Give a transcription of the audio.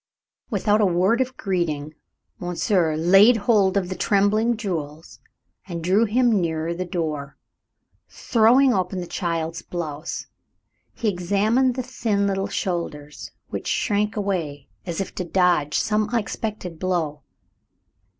Without a word of greeting monsieur laid hold of the trembling Jules and drew him nearer the door. Throwing open the child's blouse, he examined the thin little shoulders, which shrank away as if to dodge some expected blow.